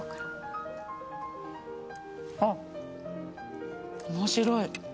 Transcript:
あ面白い。